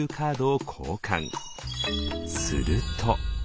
すると。